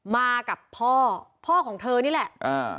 มากับพ่อพ่อของเธอนี่แหละอ่า